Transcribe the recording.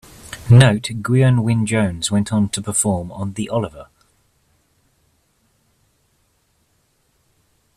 Note Gwion Wyn Jones went on to perform on the Oliver!